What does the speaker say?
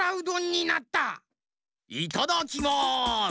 いただきます！